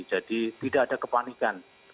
jadi tidak ada kepanikan